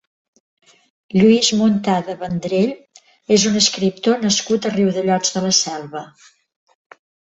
Lluís Muntada Vendrell és un escriptor nascut a Riudellots de la Selva.